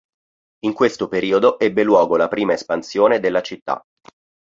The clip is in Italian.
In questo periodo ebbe luogo la prima espansione della città.